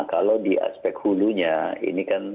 kalau di aspek hulunya ini kan